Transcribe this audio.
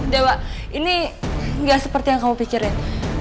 dewa ini nggak seperti yang kamu pikirin